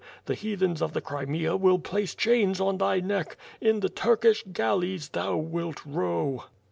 the heathens of the Crimea will place chains on thy neck; in the Turkish galleys thou wilt row!"